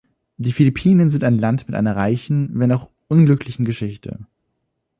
Die Philippinen sind ein Land mit einer reichen, wenn auch unglücklichen Geschichte.